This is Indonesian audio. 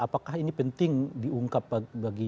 apakah ini penting diungkap bagi